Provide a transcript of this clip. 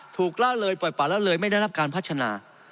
ถูกเล่าเลยปล่อยปากเล่าเลยไม่ได้ได้รับการพัฒนา